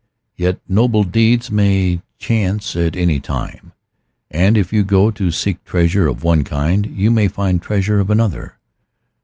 Yet noble deeds may chance at any time. And if you go to seek treasure of one kind you may find treasure of another.